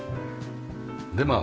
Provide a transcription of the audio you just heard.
でまあ